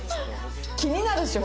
気になるでしょ